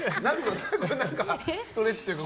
何かストレッチというか？